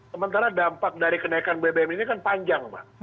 sementara dampak dari kenaikan bbm ini kan panjang mbak